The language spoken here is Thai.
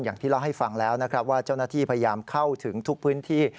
อย่างที่เล่าให้ฟังแล้วนะครับว่าเจ้าหน้าที่พยายามเข้าถึงทุกพื้นที่